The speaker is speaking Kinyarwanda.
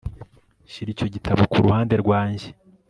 shyira icyo gitabo ku ruhande rwanjye